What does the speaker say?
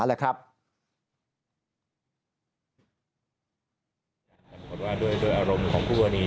ทำรวบว่าโดยอารมณ์ของผู้บอร์นี